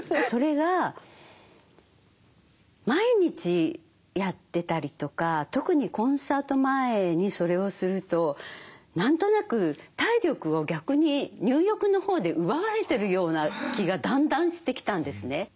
それが毎日やってたりとか特にコンサート前にそれをすると何となく体力を逆に入浴のほうで奪われてるような気がだんだんしてきたんですね。